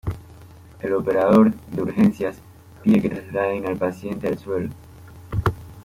El operador de urgencias pide que trasladen al paciente al suelo.